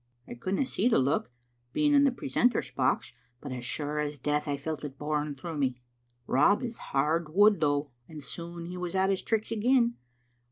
I couldna see the look, being in the precentor's box, but as sure as death I felt it boring through me. Rob is hard wood, though, and soon he was at his tricks again.